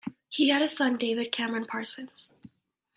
He had a son, David Cameron Parsons.